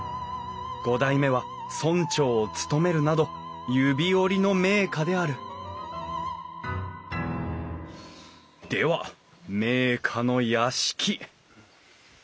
五代目は村長を務めるなど指折りの名家であるでは名家の屋敷。